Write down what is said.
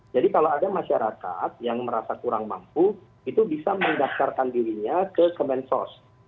jadi kalau ada masyarakat yang merasa kurang mampu itu bisa mendahkarkan dirinya ke kementerian sosial